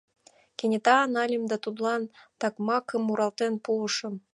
Кенета нальым да тудлан такмакым муралтен пуышым: